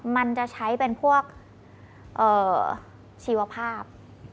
มันจะใช้เป็นพวกชีวภาพ